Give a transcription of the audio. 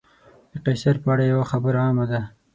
د قیصر په اړه یوه خبره عامه ده.